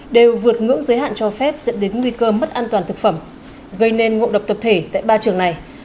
đều vượt ngưỡng giới hạn cho phép dẫn đến nguy cơ mất an toàn thực phẩm gây nên ngộ độc tập thể tại ba trường này